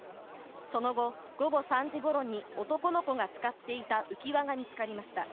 その後、午後３時ごろに男の子が使っていた浮き輪が見つかりました。